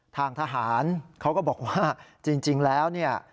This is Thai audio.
ทางทหารเขาก็บอกว่าจริงแล้วเนี่ย